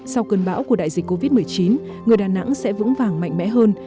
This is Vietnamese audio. sau cơn bão của đại dịch covid một mươi chín người đà nẵng sẽ vững vàng mạnh mẽ hơn